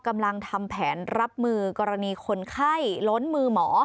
กำลังทำแผนรับมือกรณีคนไข้ล้นมือหมอ